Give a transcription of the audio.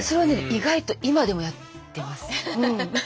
意外と今でもやってますうん。